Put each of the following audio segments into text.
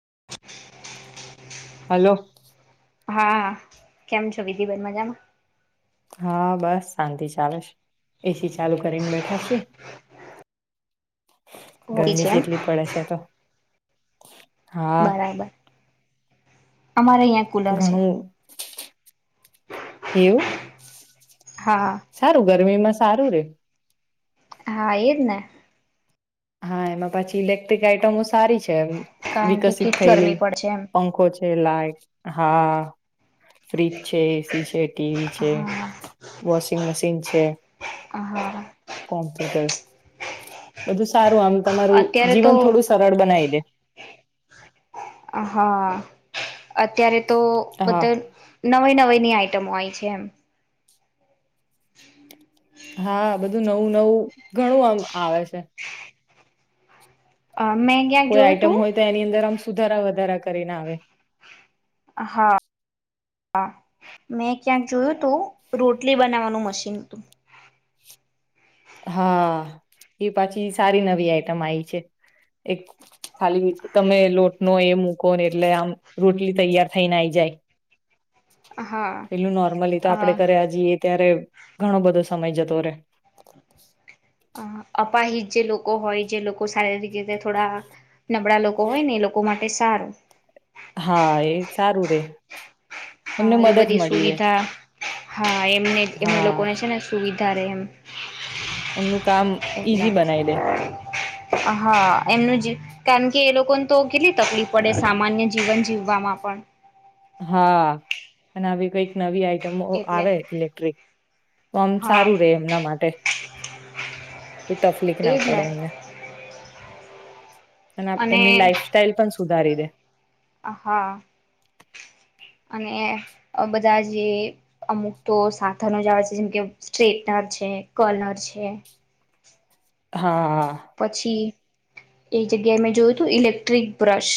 [inaudible] Hello. હા કેમ છો વિધિબેન મજામાં. હા બસ શાંતિ ચાલે છે એસી ચાલુ કરીને બેઠા છી હોવી છે ગરમી એમ જેટલી પડે છે તો હા બરાબર. અમારે અહીંયા કુલર છે. ઘણું એવું. હા સારું ગરમી માં સારું રે હા એજ ને. હા એમાં પછી ઇલેક્ટ્રિક આઈટમો સારી છે એ કારણ કે વિકસિત કેટલી ગરમી થયેલી પડશે એમ પંખો એ [unintelligible] હા ફ્રિજ છે, એસી છે, ટીવી છે, [inaudible] વોશિંગ મશીન છે. હા. કોમ્પ્યુટર બધું સારું આમ તમારું અત્યારે તો જીવન થોડું સરળ બનાવી દે. હા અત્યારે. તો હા બધે નવી નવી ની આઈટમો હોય છે એમ. [inaudible] હા બધું નવું નવું ઘણું આમ આવે છે. મેં ક્યાંક કોઈ જોયું તું આઈટમ હોય તો એની અંદર આમ સુધારા વધારા કરીને આવે. હા મેં ક્યાંક જોયું તું રોટ લી બનાવવાનું મશીન હતું હા એ પાછી સારી નવી આઈટમ આઈ છે એક ખાલી રીતે તમે લોટનો એ મૂકો ને એટલે આમ રોટલી તૈયાર થઈને આઈ જાય. હા પેલું નોર્મલી તો આપડે કર્યા જીએ ત્યારે ઘણો બધો સમય જતો રે અપાહિત જે લોકો હોય જે લોકો શારીરિક રીતે થોડા નબળા લોકો હોય ને એ લોકો માટે સારું. હા એ સારું રે. એમને હા એ મદદ બધી મળી રે સુવિધા હા એ એમને એમને હા લોકોને છે ને સુવિ ત્યારેમ એમનું કામ ઈઝી બનાવી દે હા એમનું જ કારણ કે એ લોકોને તો કેટલી તકલીફ પડે સામાન્ય જીવન જીવવામાં પણ હા અને આવી કઈક નવી આ ઈટમો એટલે આવે ઇલેક્ટ્રિક તો આમ હા સારું રે એમના માટે તફલીક ના એજ ને પડે એમને. અને એમની લાઈફસ્ટાઈલ પણ સુધારી દે અ હા અને અ બધા જે અમુક તો સાધનો જ આવે છે જેમ કે સ્ટ્રેટનર છે કલર છે. હા પછી એક જગ્યાએ મેં જોયું હતું ઇલેક્ટ્રિક બ્રશ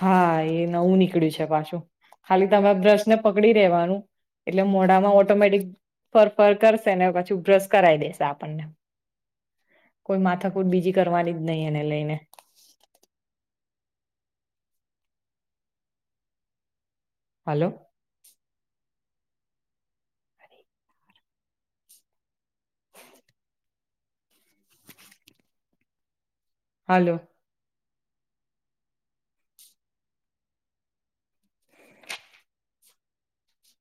હા એ નવું નીકળ્યું છે પાછું ખાલી તમે બ્રશને પકડી રેવાનું એટલે મોઢામાં ઓટોમેટિક ફર ફર કરશેને પાછું બ્રશ કરાઈ દેશે આપણને કોઈ માથાકૂટ બીજી કરવાની જ નહી એને લઈને હલો હલો